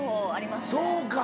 そうか。